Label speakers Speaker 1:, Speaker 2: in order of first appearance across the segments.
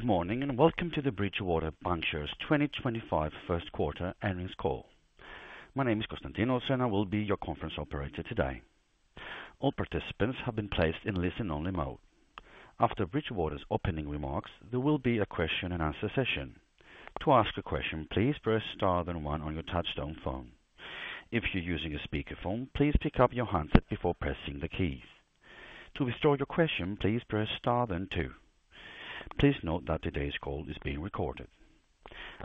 Speaker 1: Good morning and welcome to the Bridgewater Bancshares 2025 first quarter earnings call. My name is Konstantinos, and I will be your conference operator today. All participants have been placed in listen-only mode. After Bridgewater's opening remarks, there will be a question-and-answer session. To ask a question, please press star then one on your touchtone phone. If you're using a speakerphone, please pick up your handset before pressing the keys. To withdraw your question, please press star then two. Please note that today's call is being recorded.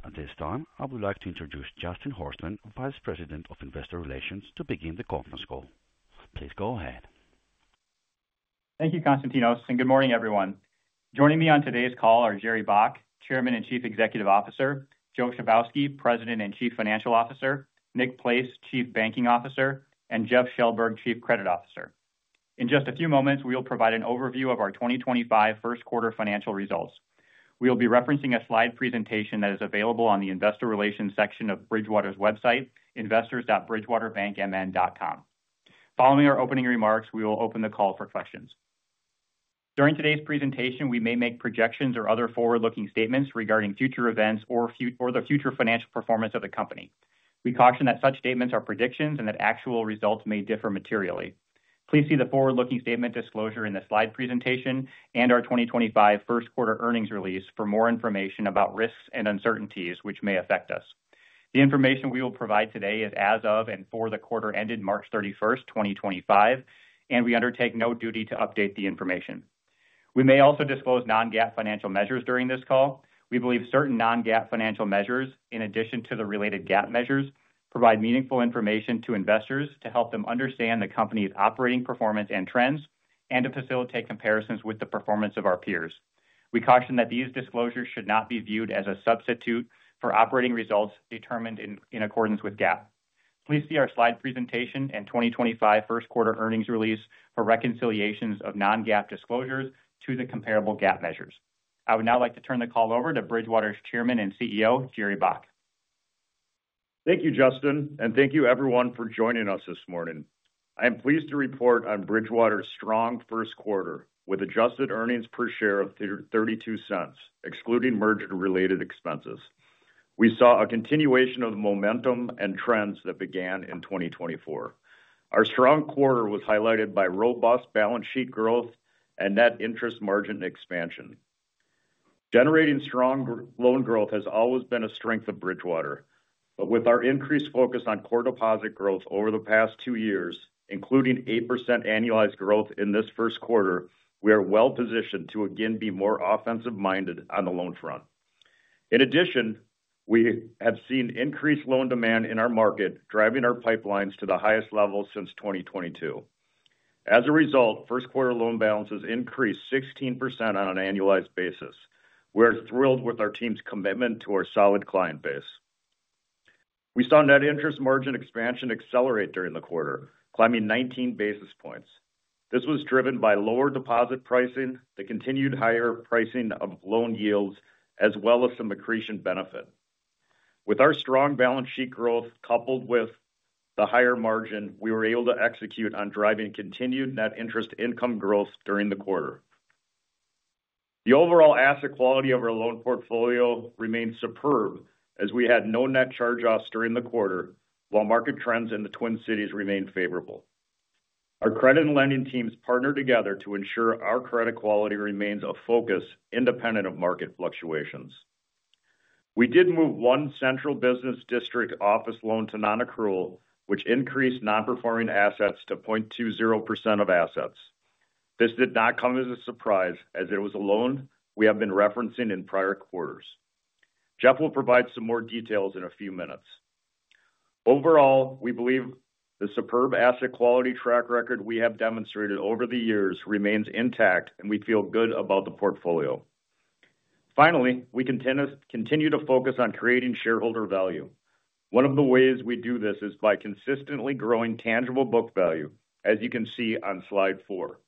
Speaker 1: At this time, I would like to introduce Justin Horstman, Vice President of Investor Relations, to begin the conference call. Please go ahead.
Speaker 2: Thank you, Konstantinos, and good morning, everyone. Joining me on today's call are Gerald Baack, Chairman and Chief Executive Officer; Joe Chybowski, President and Chief Financial Officer; Nick Place, Chief Banking Officer; and Jeff Shellberg, Chief Credit Officer. In just a few moments, we will provide an overview of our 2025 first quarter financial results. We will be referencing a slide presentation that is available on the Investor Relations section of Bridgewater's website, investors.bridgewaterbankmn.com. Following our opening remarks, we will open the call for questions. During today's presentation, we may make projections or other forward-looking statements regarding future events or the future financial performance of the company. We caution that such statements are predictions and that actual results may differ materially. Please see the forward-looking statement disclosure in the slide presentation and our 2025 first quarter earnings release for more information about risks and uncertainties which may affect us. The information we will provide today is as of and for the quarter ended March 31, 2025, and we undertake no duty to update the information. We may also disclose non-GAAP financial measures during this call. We believe certain non-GAAP financial measures, in addition to the related GAAP measures, provide meaningful information to investors to help them understand the company's operating performance and trends and to facilitate comparisons with the performance of our peers. We caution that these disclosures should not be viewed as a substitute for operating results determined in accordance with GAAP. Please see our slide presentation and 2025 first quarter earnings release for reconciliations of non-GAAP disclosures to the comparable GAAP measures. I would now like to turn the call over to Bridgewater's Chairman and CEO, Gerald Baack.
Speaker 3: Thank you, Justin, and thank you, everyone, for joining us this morning. I am pleased to report on Bridgewater's strong first quarter with adjusted earnings per share of $0.32, excluding merger-related expenses. We saw a continuation of the momentum and trends that began in 2024. Our strong quarter was highlighted by robust balance sheet growth and net interest margin expansion. Generating strong loan growth has always been a strength of Bridgewater, but with our increased focus on core deposit growth over the past two years, including 8% annualized growth in this first quarter, we are well positioned to again be more offensive-minded on the loan front. In addition, we have seen increased loan demand in our market, driving our pipelines to the highest level since 2022. As a result, first quarter loan balances increased 16% on an annualized basis. We are thrilled with our team's commitment to our solid client base. We saw net interest margin expansion accelerate during the quarter, climbing 19 basis points. This was driven by lower deposit pricing, the continued higher pricing of loan yields, as well as some accretion benefit. With our strong balance sheet growth coupled with the higher margin, we were able to execute on driving continued net interest income growth during the quarter. The overall asset quality of our loan portfolio remained superb as we had no net charge-offs during the quarter, while market trends in the Twin Cities remained favorable. Our credit and lending teams partnered together to ensure our credit quality remains a focus independent of market fluctuations. We did move one central business district office loan to non-accrual, which increased non-performing assets to 0.20% of assets. This did not come as a surprise as it was a loan we have been referencing in prior quarters. Jeff will provide some more details in a few minutes. Overall, we believe the superb asset quality track record we have demonstrated over the years remains intact, and we feel good about the portfolio. Finally, we continue to focus on creating shareholder value. One of the ways we do this is by consistently growing tangible book value, as you can see on slide four.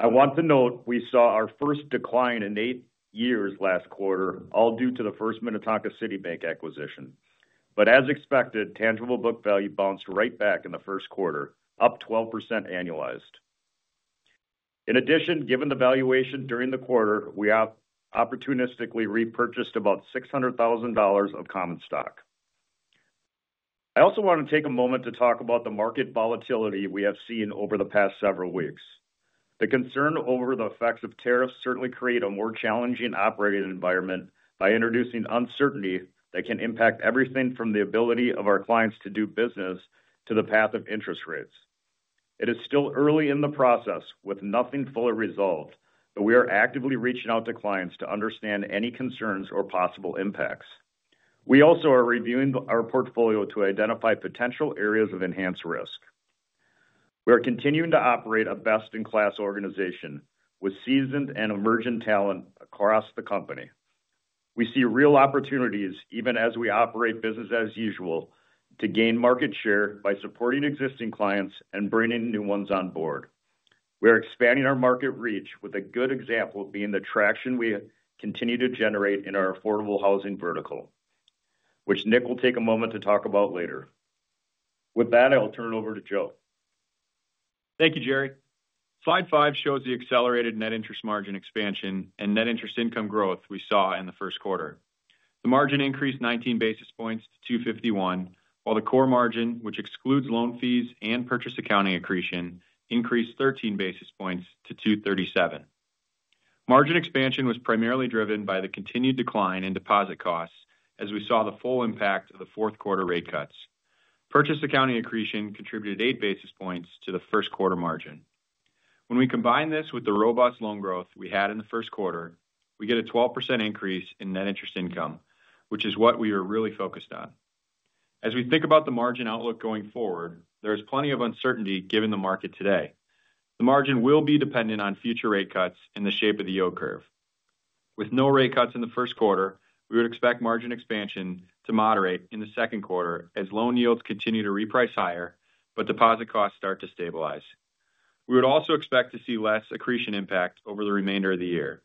Speaker 3: I want to note we saw our first decline in eight years last quarter, all due to the First Minnetonka City Bank acquisition. As expected, tangible book value bounced right back in the first quarter, up 12% annualized. In addition, given the valuation during the quarter, we opportunistically repurchased about $600,000 of common stock. I also want to take a moment to talk about the market volatility we have seen over the past several weeks. The concern over the effects of tariffs certainly creates a more challenging operating environment by introducing uncertainty that can impact everything from the ability of our clients to do business to the path of interest rates. It is still early in the process with nothing fully resolved, but we are actively reaching out to clients to understand any concerns or possible impacts. We also are reviewing our portfolio to identify potential areas of enhanced risk. We are continuing to operate a best-in-class organization with seasoned and emerging talent across the company. We see real opportunities even as we operate business as usual to gain market share by supporting existing clients and bringing new ones on board. We are expanding our market reach with a good example of being the traction we continue to generate in our affordable housing vertical, which Nick will take a moment to talk about later. With that, I'll turn it over to Joe.
Speaker 4: Thank you, Gerald. Slide 5 shows the accelerated net interest margin expansion and net interest income growth we saw in the first quarter. The margin increased 19 basis points to 2.51%, while the core margin, which excludes loan fees and purchase accounting accretion, increased 13 basis points to 2.37%. Margin expansion was primarily driven by the continued decline in deposit costs as we saw the full impact of the fourth quarter rate cuts. Purchase accounting accretion contributed 8 basis points to the first quarter margin. When we combine this with the robust loan growth we had in the first quarter, we get a 12% increase in net interest income, which is what we are really focused on. As we think about the margin outlook going forward, there is plenty of uncertainty given the market today. The margin will be dependent on future rate cuts in the shape of the yield curve. With no rate cuts in the first quarter, we would expect margin expansion to moderate in the second quarter as loan yields continue to reprice higher, but deposit costs start to stabilize. We would also expect to see less accretion impact over the remainder of the year.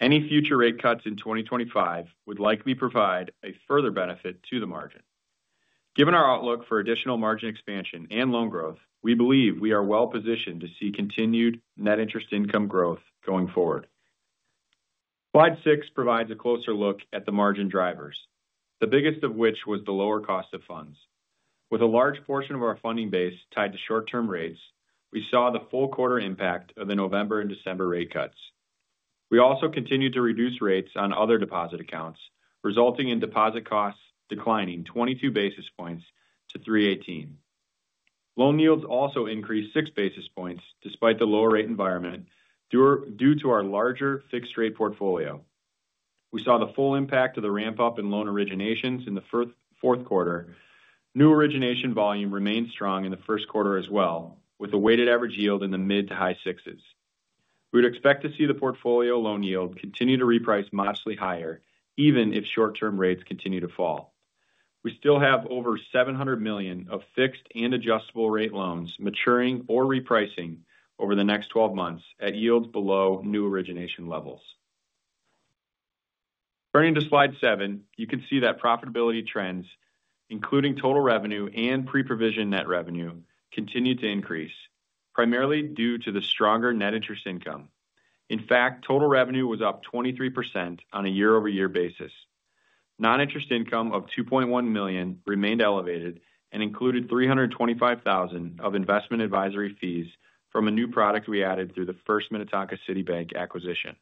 Speaker 4: Any future rate cuts in 2025 would likely provide a further benefit to the margin. Given our outlook for additional margin expansion and loan growth, we believe we are well positioned to see continued net interest income growth going forward. Slide six provides a closer look at the margin drivers, the biggest of which was the lower cost of funds. With a large portion of our funding base tied to short-term rates, we saw the full quarter impact of the November and December rate cuts. We also continued to reduce rates on other deposit accounts, resulting in deposit costs declining 22 basis points to 3.18%. Loan yields also increased 6 basis points despite the lower rate environment due to our larger fixed-rate portfolio. We saw the full impact of the ramp-up in loan originations in the fourth quarter. New origination volume remained strong in the first quarter as well, with a weighted average yield in the mid-to-high 6%. We would expect to see the portfolio loan yield continue to reprice modestly higher even if short-term rates continue to fall. We still have over $700 million of fixed and adjustable rate loans maturing or repricing over the next 12 months at yields below new origination levels. Turning to slide seven, you can see that profitability trends, including total revenue and pre-provision net revenue, continued to increase, primarily due to the stronger net interest income. In fact, total revenue was up 23% on a year-over-year basis. Non-interest income of $2.1 million remained elevated and included $325,000 of investment advisory fees from a new product we added through the First Minnetonka City Bank acquisition.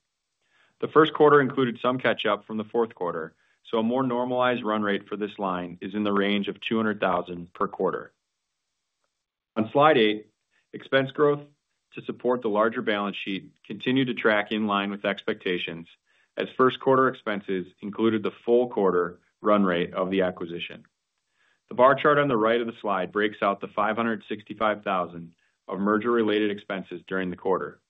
Speaker 4: The first quarter included some catch-up from the fourth quarter, so a more normalized run rate for this line is in the range of $200,000 per quarter. On slide eight, expense growth to support the larger balance sheet continued to track in line with expectations as first quarter expenses included the full quarter run rate of the acquisition. The bar chart on the right of the slide breaks out the $565,000 of merger-related expenses during the quarter.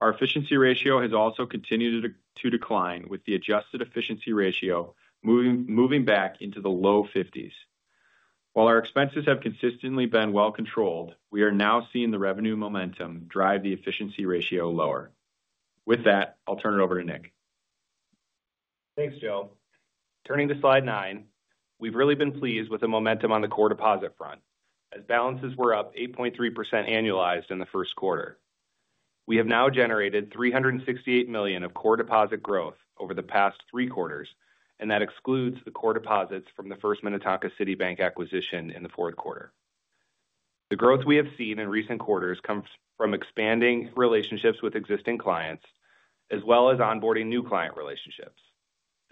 Speaker 4: Our efficiency ratio has also continued to decline, with the adjusted efficiency ratio moving back into the low 50s. While our expenses have consistently been well controlled, we are now seeing the revenue momentum drive the efficiency ratio lower. With that, I'll turn it over to Nick.
Speaker 5: Thanks, Joe. Turning to slide nine, we've really been pleased with the momentum on the core deposit front as balances were up 8.3% annualized in the first quarter. We have now generated $368 million of core deposit growth over the past three quarters, and that excludes the core deposits from the First Minnetonka City Bank acquisition in the fourth quarter. The growth we have seen in recent quarters comes from expanding relationships with existing clients as well as onboarding new client relationships.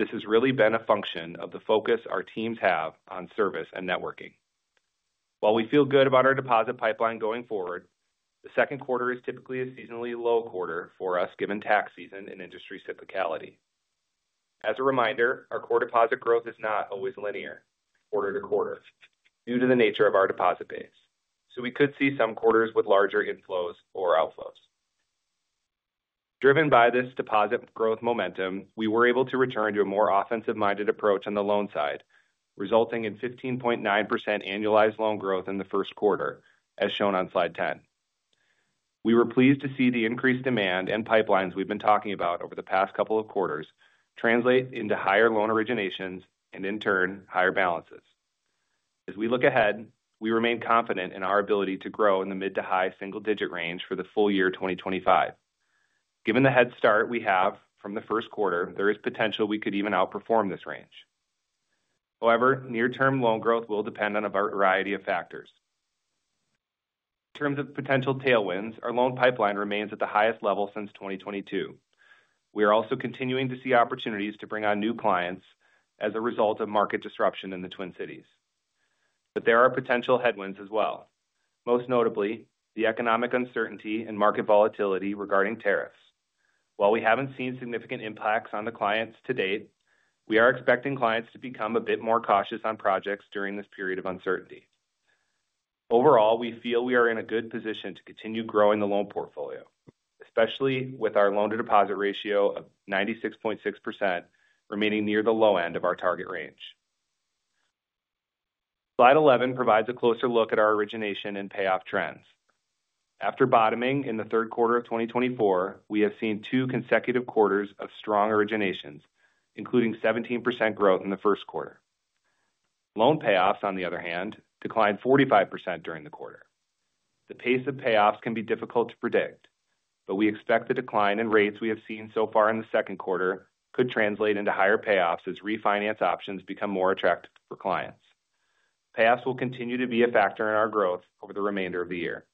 Speaker 5: This has really been a function of the focus our teams have on service and networking. While we feel good about our deposit pipeline going forward, the second quarter is typically a seasonally low quarter for us given tax season and industry cyclicality. As a reminder, our core deposit growth is not always linear quarter to quarter due to the nature of our deposit base, so we could see some quarters with larger inflows or outflows. Driven by this deposit growth momentum, we were able to return to a more offensive-minded approach on the loan side, resulting in 15.9% annualized loan growth in the first quarter, as shown on slide 10. We were pleased to see the increased demand and pipelines we've been talking about over the past couple of quarters translate into higher loan originations and, in turn, higher balances. As we look ahead, we remain confident in our ability to grow in the mid to high single-digit range for the full year 2025. Given the head start we have from the first quarter, there is potential we could even outperform this range. However, near-term loan growth will depend on a variety of factors. In terms of potential tailwinds, our loan pipeline remains at the highest level since 2022. We are also continuing to see opportunities to bring on new clients as a result of market disruption in the Twin Cities. There are potential headwinds as well, most notably the economic uncertainty and market volatility regarding tariffs. While we have not seen significant impacts on the clients to date, we are expecting clients to become a bit more cautious on projects during this period of uncertainty. Overall, we feel we are in a good position to continue growing the loan portfolio, especially with our loan-to-deposit ratio of 96.6% remaining near the low end of our target range. Slide 11 provides a closer look at our origination and payoff trends. After bottoming in the third quarter of 2024, we have seen two consecutive quarters of strong originations, including 17% growth in the first quarter. Loan payoffs, on the other hand, declined 45% during the quarter. The pace of payoffs can be difficult to predict, but we expect the decline in rates we have seen so far in the second quarter could translate into higher payoffs as refinance options become more attractive for clients. Payoffs will continue to be a factor in our growth over the remainder of the year.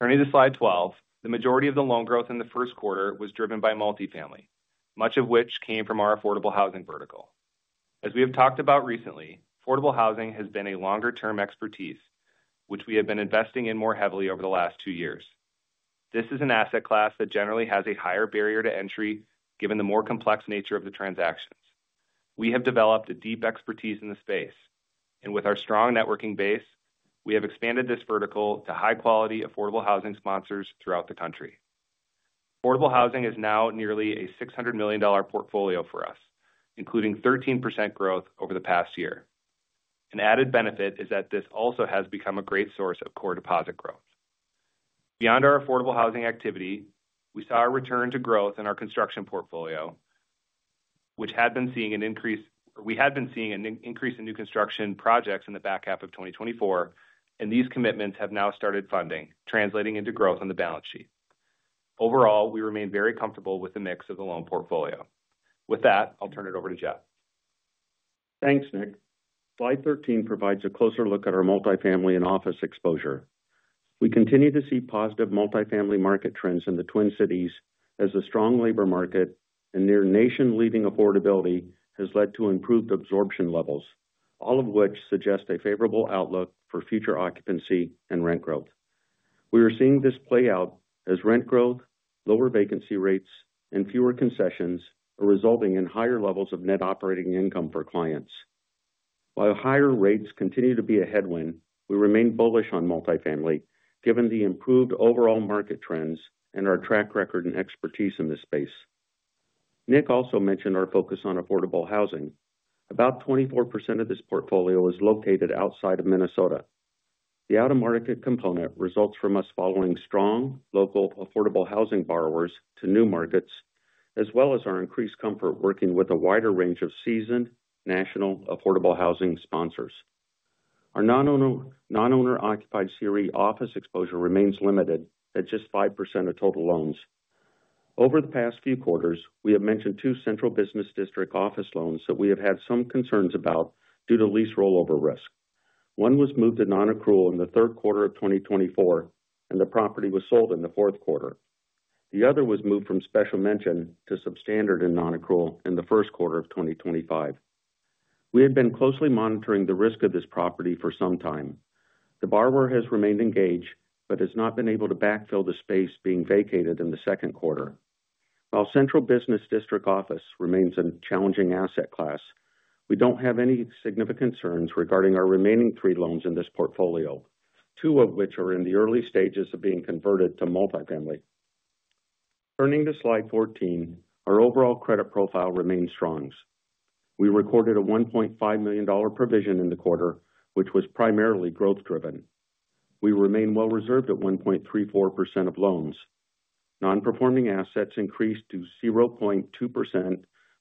Speaker 5: Turning to slide 12, the majority of the loan growth in the first quarter was driven by multifamily, much of which came from our affordable housing vertical. As we have talked about recently, affordable housing has been a longer-term expertise, which we have been investing in more heavily over the last two years. This is an asset class that generally has a higher barrier to entry given the more complex nature of the transactions. We have developed a deep expertise in the space, and with our strong networking base, we have expanded this vertical to high-quality affordable housing sponsors throughout the country. Affordable housing is now nearly a $600 million portfolio for us, including 13% growth over the past year. An added benefit is that this also has become a great source of core deposit growth. Beyond our affordable housing activity, we saw a return to growth in our construction portfolio, which had been seeing an increase or we had been seeing an increase in new construction projects in the back half of 2024, and these commitments have now started funding, translating into growth on the balance sheet. Overall, we remain very comfortable with the mix of the loan portfolio. With that, I'll turn it over to Jeff.
Speaker 6: Thanks, Nick. Slide 13 provides a closer look at our multifamily and office exposure. We continue to see positive multifamily market trends in the Twin Cities as the strong labor market and near-nation-leading affordability has led to improved absorption levels, all of which suggest a favorable outlook for future occupancy and rent growth. We are seeing this play out as rent growth, lower vacancy rates, and fewer concessions are resulting in higher levels of net operating income for clients. While higher rates continue to be a headwind, we remain bullish on multifamily given the improved overall market trends and our track record and expertise in this space. Nick also mentioned our focus on affordable housing. About 24% of this portfolio is located outside of Minnesota. The out-of-market component results from us following strong local affordable housing borrowers to new markets, as well as our increased comfort working with a wider range of seasoned national affordable housing sponsors. Our non-owner-occupied CRE office exposure remains limited at just 5% of total loans. Over the past few quarters, we have mentioned two central business district office loans that we have had some concerns about due to lease rollover risk. One was moved to non-accrual in the third quarter of 2024, and the property was sold in the fourth quarter. The other was moved from special mention to substandard and non-accrual in the first quarter of 2025. We had been closely monitoring the risk of this property for some time. The borrower has remained engaged but has not been able to backfill the space being vacated in the second quarter. While central business district office remains a challenging asset class, we do not have any significant concerns regarding our remaining three loans in this portfolio, two of which are in the early stages of being converted to multifamily. Turning to slide 14, our overall credit profile remains strong. We recorded a $1.5 million provision in the quarter, which was primarily growth-driven. We remain well reserved at 1.34% of loans. Non-performing assets increased to 0.2%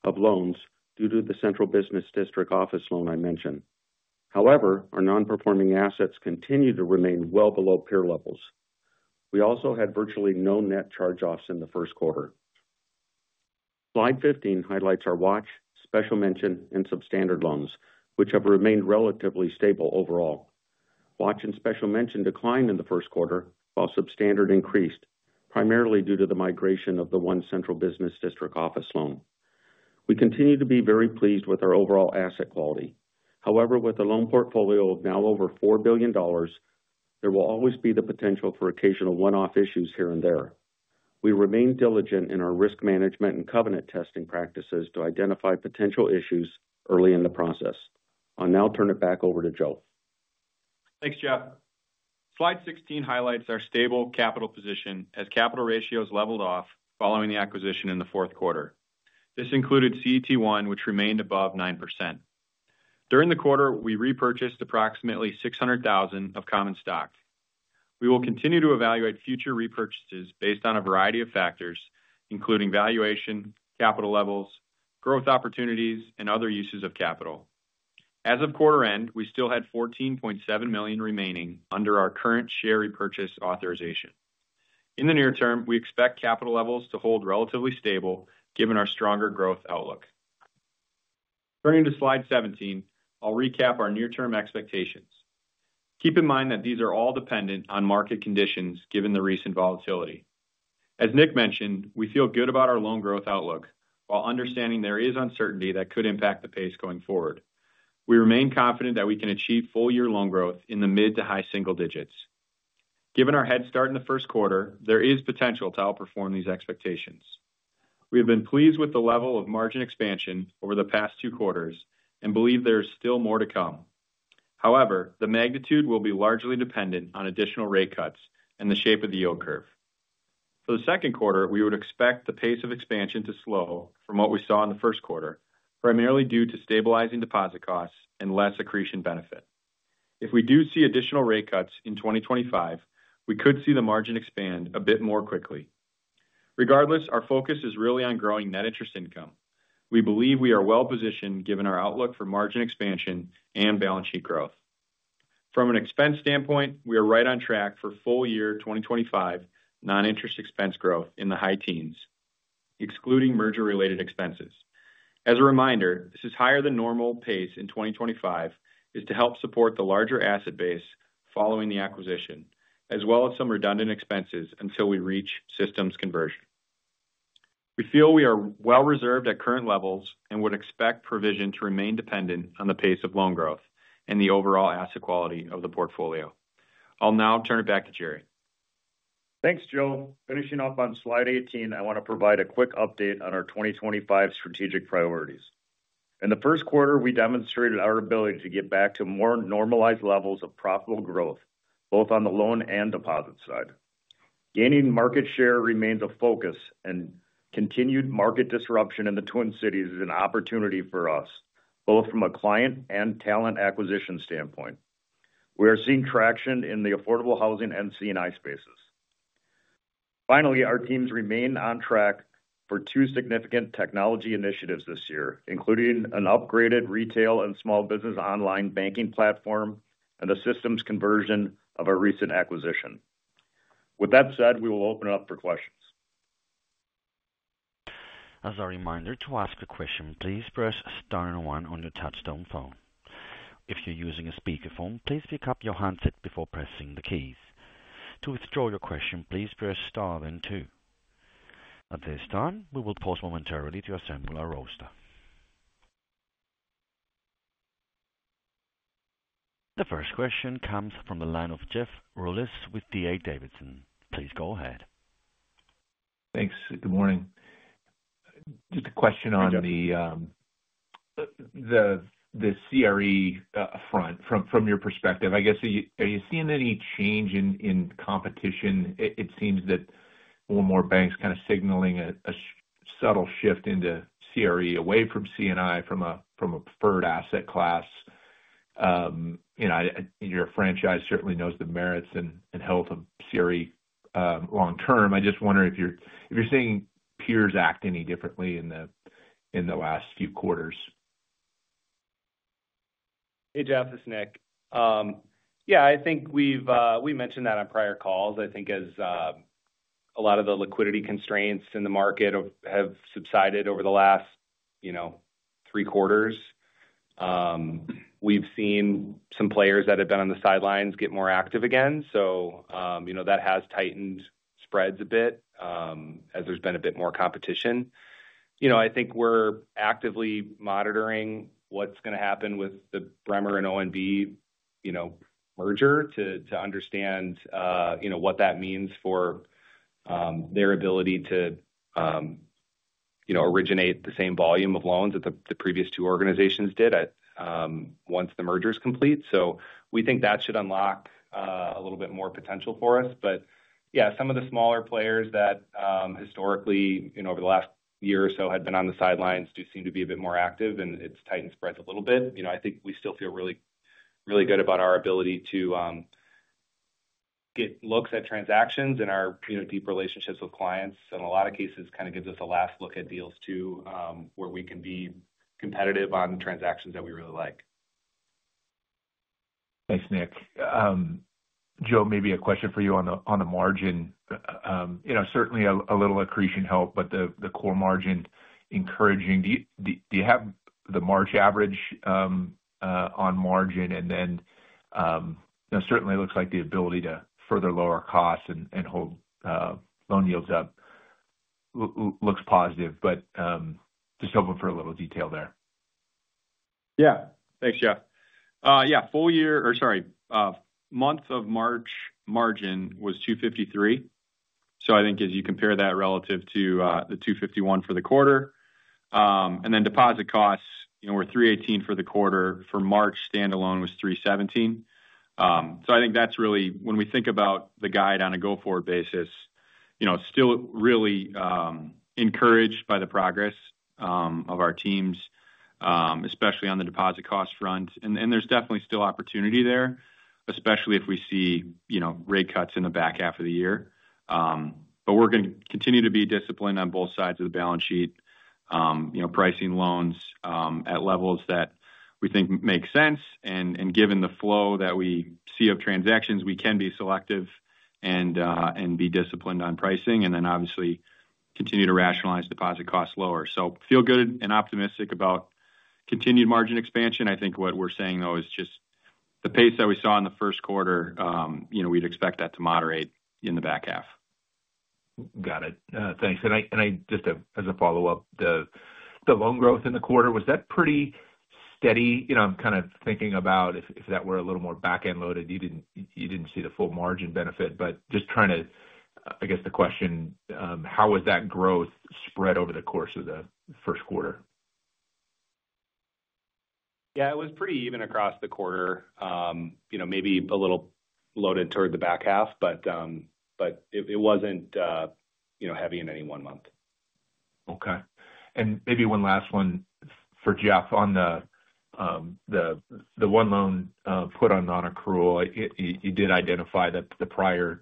Speaker 6: of loans due to the central business district office loan I mentioned. However, our non-performing assets continue to remain well below peer levels. We also had virtually no net charge-offs in the first quarter. Slide 15 highlights our watch, special mention, and substandard loans, which have remained relatively stable overall. Watch and special mention declined in the first quarter, while substandard increased, primarily due to the migration of the one central business district office loan. We continue to be very pleased with our overall asset quality. However, with a loan portfolio of now over $4 billion, there will always be the potential for occasional one-off issues here and there. We remain diligent in our risk management and covenant testing practices to identify potential issues early in the process. I'll now turn it back over to Joe.
Speaker 4: Thanks, Jeff. Slide 16 highlights our stable capital position as capital ratios leveled off following the acquisition in the fourth quarter. This included CET1, which remained above 9%. During the quarter, we repurchased approximately 600,000 of common stock. We will continue to evaluate future repurchases based on a variety of factors, including valuation, capital levels, growth opportunities, and other uses of capital. As of quarter end, we still had $14.7 million remaining under our current share repurchase authorization. In the near term, we expect capital levels to hold relatively stable given our stronger growth outlook. Turning to Slide 17, I'll recap our near-term expectations. Keep in mind that these are all dependent on market conditions given the recent volatility. As Nick mentioned, we feel good about our loan growth outlook while understanding there is uncertainty that could impact the pace going forward. We remain confident that we can achieve full-year loan growth in the mid to high single digits. Given our head start in the first quarter, there is potential to outperform these expectations. We have been pleased with the level of margin expansion over the past two quarters and believe there is still more to come. However, the magnitude will be largely dependent on additional rate cuts and the shape of the yield curve. For the second quarter, we would expect the pace of expansion to slow from what we saw in the first quarter, primarily due to stabilizing deposit costs and less accretion benefit. If we do see additional rate cuts in 2025, we could see the margin expand a bit more quickly. Regardless, our focus is really on growing net interest income. We believe we are well positioned given our outlook for margin expansion and balance sheet growth. From an expense standpoint, we are right on track for full-year 2025 non-interest expense growth in the high teens, excluding merger-related expenses. As a reminder, this is higher than normal pace in 2025 to help support the larger asset base following the acquisition, as well as some redundant expenses until we reach systems conversion. We feel we are well reserved at current levels and would expect provision to remain dependent on the pace of loan growth and the overall asset quality of the portfolio. I'll now turn it back to Jerry.
Speaker 3: Thanks, Joe. Finishing up on Slide 18, I want to provide a quick update on our 2025 strategic priorities. In the first quarter, we demonstrated our ability to get back to more normalized levels of profitable growth, both on the loan and deposit side. Gaining market share remains a focus, and continued market disruption in the Twin Cities is an opportunity for us, both from a client and talent acquisition standpoint. We are seeing traction in the affordable housing and C&I spaces. Finally, our teams remain on track for two significant technology initiatives this year, including an upgraded retail and small business online banking platform and the systems conversion of a recent acquisition. With that said, we will open it up for questions.
Speaker 1: As a reminder to ask a question, please press star and one on your touchtone phone. If you're using a speakerphone, please pick up your handset before pressing the keys. To withdraw your question, please press star then two. At this time, we will pause momentarily to assemble our roster. The first question comes from the line of Jeff Rulis with D.A. Davidson. Please go ahead.
Speaker 7: Thanks. Good morning. Just a question on the CRE front. From your perspective, I guess, are you seeing any change in competition? It seems that more and more banks are kind of signaling a subtle shift into CRE away from C&I from a preferred asset class. Your franchise certainly knows the merits and health of CRE long-term. I just wonder if you're seeing peers act any differently in the last few quarters.
Speaker 5: Hey, Jeff, this is Nick. Yeah, I think we've mentioned that on prior calls. I think as a lot of the liquidity constraints in the market have subsided over the last three quarters, we've seen some players that have been on the sidelines get more active again. That has tightened spreads a bit as there's been a bit more competition. I think we're actively monitoring what's going to happen with the Bremer and ONB merger to understand what that means for their ability to originate the same volume of loans that the previous two organizations did once the merger is complete. We think that should unlock a little bit more potential for us. Yeah, some of the smaller players that historically, over the last year or so, had been on the sidelines do seem to be a bit more active, and it's tightened spreads a little bit. I think we still feel really good about our ability to get looks at transactions and our deep relationships with clients. In a lot of cases, it kind of gives us a last look at deals too where we can be competitive on transactions that we really like.
Speaker 7: Thanks, Nick. Joe, maybe a question for you on the margin. Certainly, a little accretion help, but the core margin encouraging. Do you have the March average on margin? It looks like the ability to further lower costs and hold loan yields up looks positive. Just hoping for a little detail there.
Speaker 4: Yeah. Thanks, Jeff. Yeah, full year or sorry, month of March margin was 2.53. I think as you compare that relative to the 2.51 for the quarter. Deposit costs were 3.18 for the quarter. For March standalone was 3.17. I think that's really, when we think about the guide on a go-forward basis, still really encouraged by the progress of our teams, especially on the deposit cost front. There's definitely still opportunity there, especially if we see rate cuts in the back half of the year. We're going to continue to be disciplined on both sides of the balance sheet, pricing loans at levels that we think make sense. Given the flow that we see of transactions, we can be selective and be disciplined on pricing and then obviously continue to rationalize deposit costs lower. Feel good and optimistic about continued margin expansion. I think what we're saying, though, is just the pace that we saw in the first quarter, we'd expect that to moderate in the back half.
Speaker 7: Got it. Thanks. Just as a follow-up, the loan growth in the quarter, was that pretty steady? I'm kind of thinking about if that were a little more back-end loaded, you did not see the full margin benefit. Just trying to, I guess, the question, how was that growth spread over the course of the first quarter?
Speaker 5: Yeah, it was pretty even across the quarter, maybe a little loaded toward the back half, but it was not heavy in any one month.
Speaker 7: Okay. Maybe one last one for Jeff on the one loan put on non-accrual. You did identify that the prior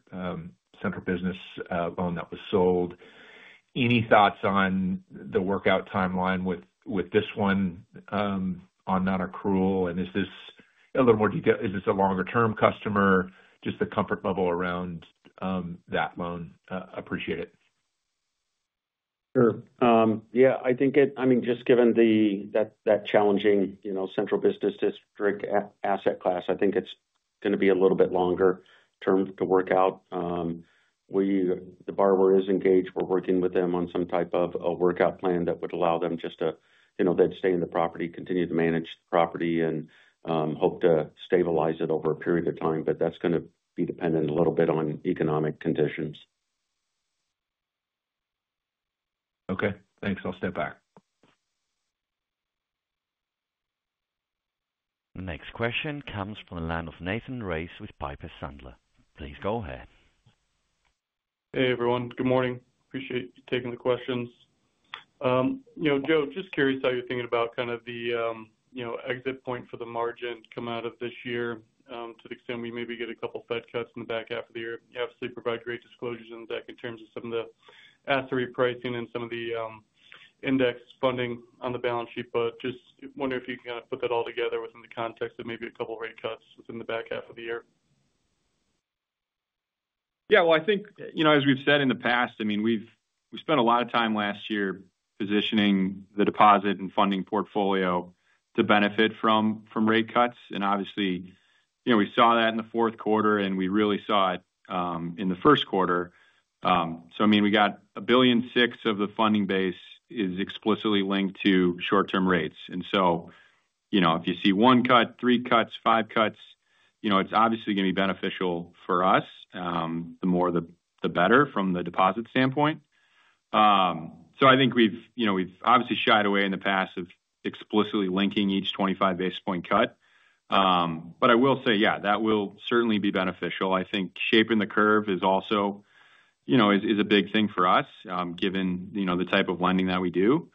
Speaker 7: central business loan that was sold. Any thoughts on the workout timeline with this one on non-accrual? Is this a little more detailed? Is this a longer-term customer, just the comfort level around that loan? Appreciate it.
Speaker 6: Sure. Yeah. I think it, I mean, just given that challenging central business district asset class, I think it's going to be a little bit longer-term to work out. The borrower is engaged. We're working with them on some type of a workout plan that would allow them just to stay in the property, continue to manage the property, and hope to stabilize it over a period of time. That is going to be dependent a little bit on economic conditions.
Speaker 7: Okay. Thanks. I'll step back.
Speaker 1: Next question comes from the line of Nathan Race with Piper Sandler. Please go ahead.
Speaker 8: Hey, everyone. Good morning. Appreciate you taking the questions. Joe, just curious how you're thinking about kind of the exit point for the margin to come out of this year to the extent we maybe get a couple of Fed cuts in the back half of the year. You obviously provide great disclosures in the deck in terms of some of the asset repricing and some of the index funding on the balance sheet, but just wondering if you can kind of put that all together within the context of maybe a couple of rate cuts within the back half of the year.
Speaker 4: Yeah. I think, as we've said in the past, I mean, we spent a lot of time last year positioning the deposit and funding portfolio to benefit from rate cuts. Obviously, we saw that in the fourth quarter, and we really saw it in the first quarter. I mean, we got $1.6 billion of the funding base is explicitly linked to short-term rates. If you see one cut, three cuts, five cuts, it's obviously going to be beneficial for us. The more, the better from the deposit standpoint. I think we've obviously shied away in the past of explicitly linking each 25 basis point cut. I will say, yeah, that will certainly be beneficial. I think shaping the curve is also a big thing for us given the type of lending that we do.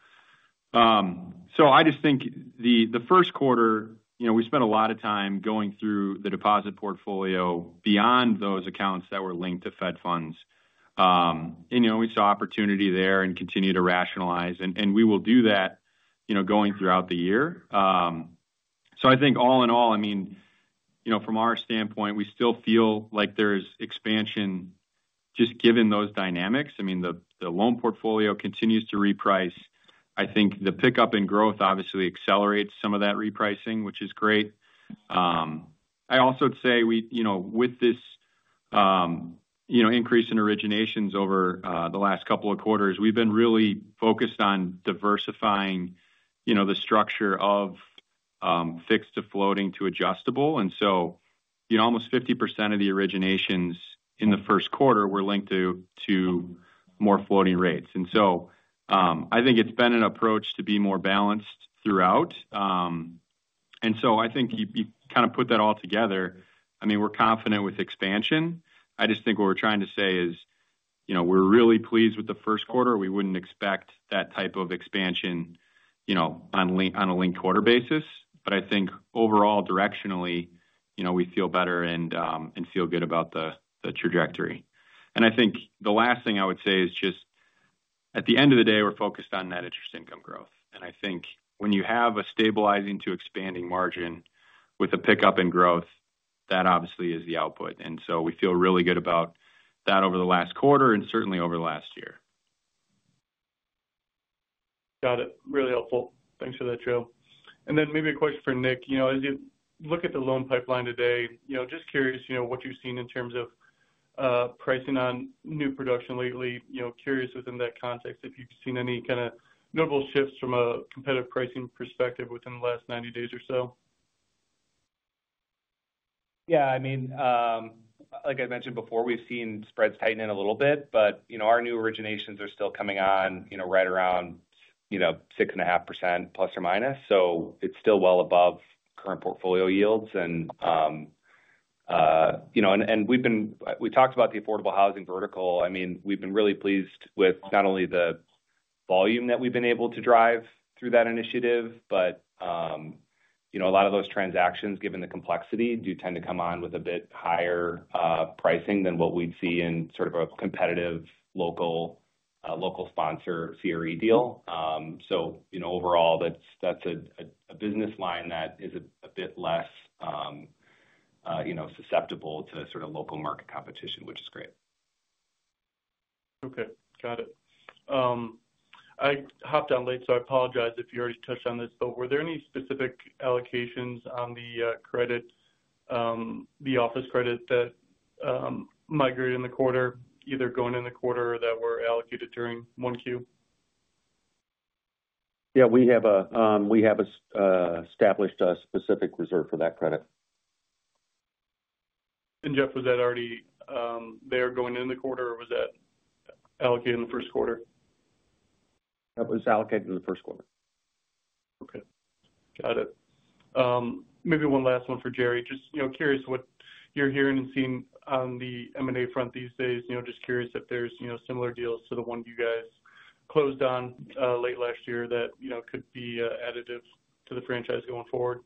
Speaker 4: I just think the first quarter, we spent a lot of time going through the deposit portfolio beyond those accounts that were linked to Fed funds. We saw opportunity there and continue to rationalize. We will do that going throughout the year. I think all in all, I mean, from our standpoint, we still feel like there's expansion just given those dynamics. I mean, the loan portfolio continues to reprice. I think the pickup in growth obviously accelerates some of that repricing, which is great. I also would say with this increase in originations over the last couple of quarters, we've been really focused on diversifying the structure of fixed to floating to adjustable. Almost 50% of the originations in the first quarter were linked to more floating rates. I think it's been an approach to be more balanced throughout. I think you kind of put that all together. I mean, we're confident with expansion. I just think what we're trying to say is we're really pleased with the first quarter. We wouldn't expect that type of expansion on a linked quarter basis. I think overall, directionally, we feel better and feel good about the trajectory. I think the last thing I would say is just at the end of the day, we're focused on net interest income growth. I think when you have a stabilizing to expanding margin with a pickup in growth, that obviously is the output. We feel really good about that over the last quarter and certainly over the last year.
Speaker 8: Got it. Really helpful. Thanks for that, Joe. Maybe a question for Nick. As you look at the loan pipeline today, just curious what you've seen in terms of pricing on new production lately. Curious within that context if you've seen any kind of notable shifts from a competitive pricing perspective within the last 90 days or so.
Speaker 5: Yeah. I mean, like I mentioned before, we've seen spreads tighten in a little bit, but our new originations are still coming on right around 6.5% plus or minus. So it's still well above current portfolio yields. And we talked about the affordable housing vertical. I mean, we've been really pleased with not only the volume that we've been able to drive through that initiative, but a lot of those transactions, given the complexity, do tend to come on with a bit higher pricing than what we'd see in sort of a competitive local sponsor CRE deal. So overall, that's a business line that is a bit less susceptible to sort of local market competition, which is great.
Speaker 8: Okay. Got it. I hopped on late, so I apologize if you already touched on this. Were there any specific allocations on the office credit that migrated in the quarter, either going in the quarter or that were established during one Q?
Speaker 4: Yeah. We have established a specific reserve for that credit.
Speaker 8: Jeff, was that already there going in the quarter, or was that allocated in the first quarter?
Speaker 6: That was allocated in the first quarter.
Speaker 8: Okay. Got it. Maybe one last one for Jerry. Just curious what you're hearing and seeing on the M&A front these days. Just curious if there's similar deals to the one you guys closed on late last year that could be additive to the franchise going forward.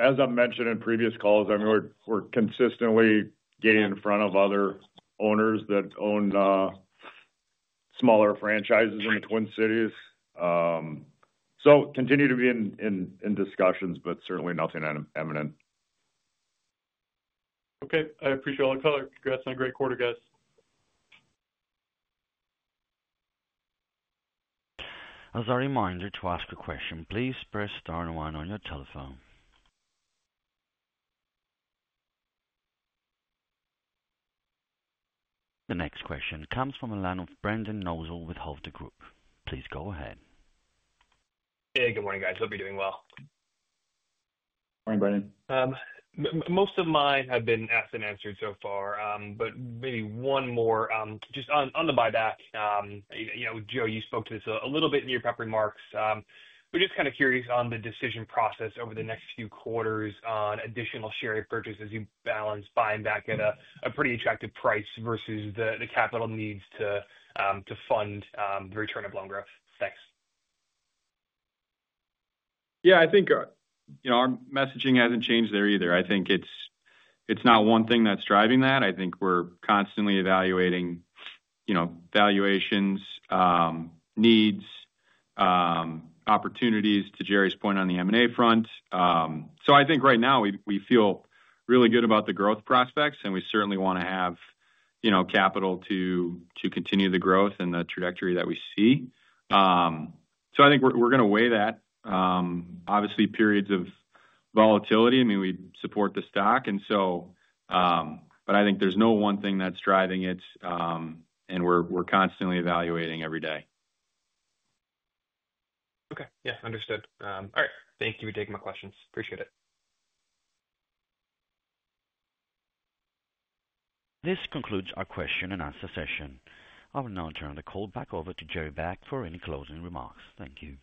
Speaker 3: As I've mentioned in previous calls, I mean, we're consistently getting in front of other owners that own smaller franchises in the Twin Cities. Continue to be in discussions, but certainly nothing imminent.
Speaker 8: Okay. I appreciate all the color. Congrats on a great quarter, guys.
Speaker 1: As a reminder to ask a question, please press star and one on your telephone. The next question comes from a line of Brendan Nosal with Hovde Group. Please go ahead.
Speaker 9: Hey, good morning, guys. Hope you're doing well.
Speaker 7: Morning, Brendan.
Speaker 9: Most of mine have been asked and answered so far, but maybe one more. Just on the buyback, Joe, you spoke to this a little bit in your prep remarks. We're just kind of curious on the decision process over the next few quarters on additional share purchases as you balance buying back at a pretty attractive price versus the capital needs to fund the return of loan growth. Thanks.
Speaker 4: Yeah. I think our messaging hasn't changed there either. I think it's not one thing that's driving that. I think we're constantly evaluating valuations, needs, opportunities to Jerry's point on the M&A front. Right now we feel really good about the growth prospects, and we certainly want to have capital to continue the growth and the trajectory that we see. I think we're going to weigh that. Obviously, periods of volatility, I mean, we support the stock. I think there's no one thing that's driving it, and we're constantly evaluating every day.
Speaker 9: Okay. Yeah. Understood. All right. Thank you for taking my questions. Appreciate it.
Speaker 1: This concludes our question and answer session. I will now turn the call back over to Jerry Baack for any closing remarks. Thank you.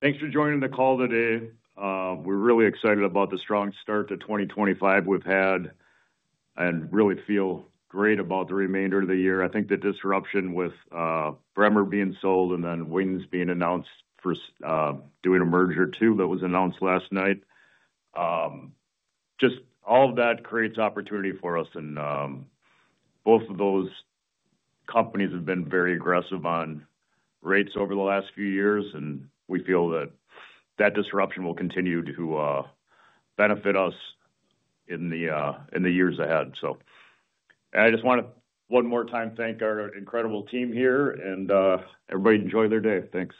Speaker 3: Thanks for joining the call today. We're really excited about the strong start to 2025 we've had and really feel great about the remainder of the year. I think the disruption with Bremer being sold and then Wings being announced for doing a merger too that was announced last night, just all of that creates opportunity for us. Both of those companies have been very aggressive on rates over the last few years, and we feel that that disruption will continue to benefit us in the years ahead. I just want to one more time thank our incredible team here and everybody enjoy their day. Thanks.